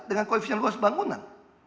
dengan koefisien luas bangunan